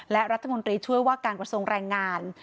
และรัฐมนตรีช่วยว่าการกระทรวงแรงงาน